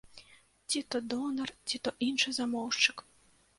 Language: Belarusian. Ці то донар, ці то іншы замоўшчык.